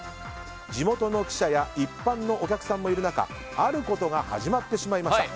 地元の記者や一般のお客さんもいる中あることが始まってしまいました。